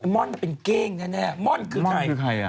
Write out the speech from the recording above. ม่อนเป็นเก้งแน่ม่อนคือใครคือใครอ่ะ